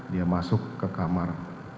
dia masuk ke kamar